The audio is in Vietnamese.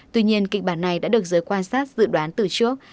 tuy nhiên kịch bản này đã được giới quan sát dự đoán từ trước